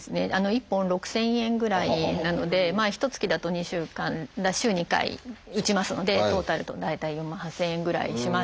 １本６，０００円ぐらいなのでひとつきだと週２回打ちますのでトータルだと大体４万８，０００円ぐらいしますね。